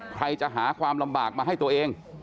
ใครจะหาความลำบากมาให้ตัวเอง